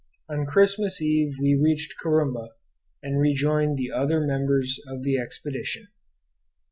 On Christmas eve we reached Corumba, and rejoined the other members of the expedition.